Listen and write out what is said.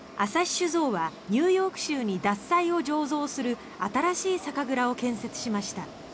酒造はニューヨーク州に獺祭を醸造する新しい酒蔵を建設しました。